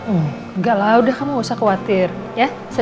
enggak lah udah kamu usah khawatir ya